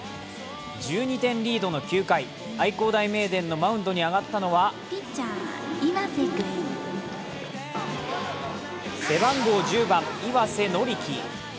１２点リードの９回愛工大名電のマウンドに上がったのは背番号１０番、岩瀬法樹。